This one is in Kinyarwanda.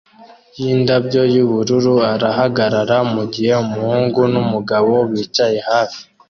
yindabyo yubururu arahagarara mugihe umuhungu numugabo bicaye hafi